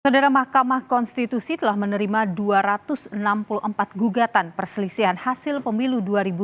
saudara mahkamah konstitusi telah menerima dua ratus enam puluh empat gugatan perselisihan hasil pemilu dua ribu dua puluh